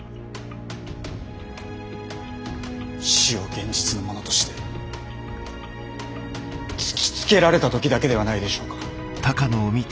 死を現実のものとして突きつけられた時だけではないでしょうか？